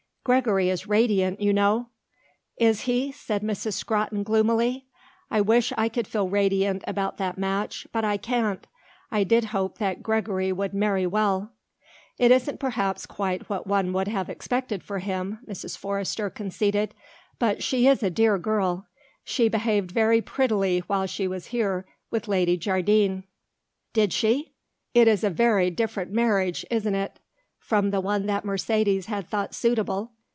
"Gregory is radiant, you know." "Is he?" said Miss Scrotton gloomily. "I wish I could feel radiant about that match; but I can't. I did hope that Gregory would marry well." "It isn't perhaps quite what one would have expected for him," Mrs. Forrester conceded; "but she is a dear girl. She behaved very prettily while she was here with Lady Jardine." "Did she? It is a very different marriage, isn't it, from the one that Mercedes had thought suitable.